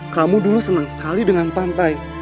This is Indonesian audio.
kamu dulu senang sekali dengan pantai